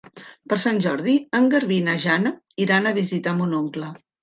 Per Sant Jordi en Garbí i na Jana iran a visitar mon oncle.